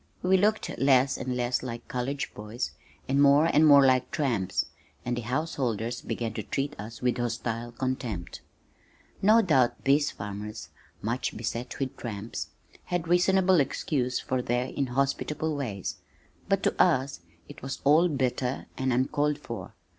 We looked less and less like college boys and more and more like tramps, and the householders began to treat us with hostile contempt. No doubt these farmers, much beset with tramps, had reasonable excuse for their inhospitable ways, but to us it was all bitter and uncalled for.